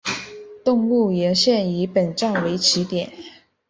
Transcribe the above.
动物园线以本站为起点。